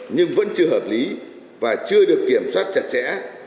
nhưng vẫn chưa hợp lý và chưa được kiểm soát chặt chẽ